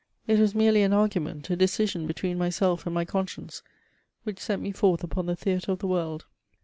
It was merely an argu ment) a decision between myself and my conscience, which sent me forth upon the theatre of the world.